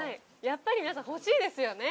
やっぱり皆さん欲しいですよね